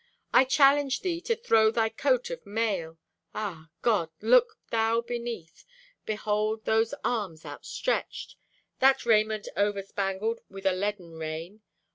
I challenge thee to throw thy coat of mail! Ah, God! Look thou beneath! Behold, those arms outstretched! That raiment over spangled with a leaden rain!